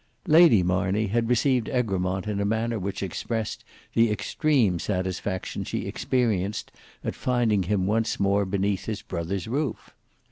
Lady Marney had received Egremont in a manner which expressed the extreme satisfaction she experienced at finding him once more beneath his brother's roof.